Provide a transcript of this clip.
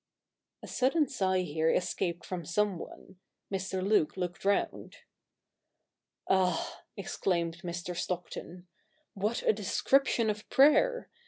iv A sudden sigh here escaped from some one. Mr. Luke looked round. 'Ah,' exclaimed Mr. Stockton, 'what a description of prayer